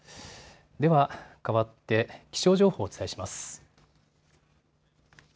では、変わって、気象情報お伝えします。